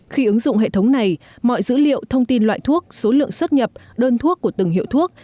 khi ứng dụng hệ thống này mọi dữ liệu thông tin loại thuốc số lượng xuất nhập đơn thuốc của từng hiệu thuốc